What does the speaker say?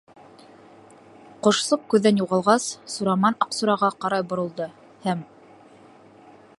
Ҡошсоҡ күҙҙән юғалғас, Сураман Аҡсураға ҡарай боролдо, һәм: